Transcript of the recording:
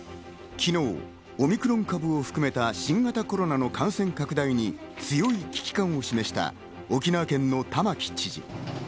昨日、オミクロン株を含めた新型コロナの感染拡大に強い危機感を示した沖縄県の玉城知事。